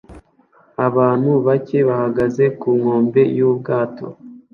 Abantu bake bahagaze ku nkombe y'ubwato